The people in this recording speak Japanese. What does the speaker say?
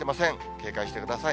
警戒してください。